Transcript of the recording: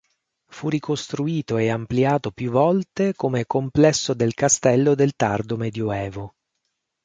Fu ricostruito e ampliato più volte come complesso del castello del tardo Medioevo.